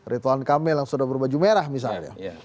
ritual kamel yang sudah berbaju merah misalnya